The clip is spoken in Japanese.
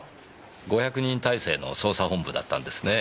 ５００人体制の捜査本部だったんですねぇ。